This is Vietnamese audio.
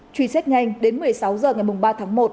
truy xét nhanh đến một mươi sáu h ngày ba tháng một